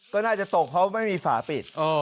ก็น่าจะตกเพราะไม่มีฝาปิด